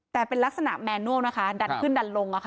แต่เป็นลักษณะแมนวกนะคะดันขึ้นดันลง